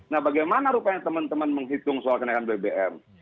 nah bagaimana rupanya teman teman menghitung soal kenaikan bbm